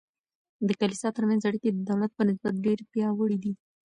د کلیسا ترمنځ اړیکې د دولت په نسبت ډیر پیاوړي دي.